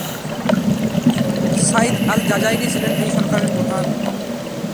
Saeed al Jazairi ছিলেন এই সরকারের প্রধান।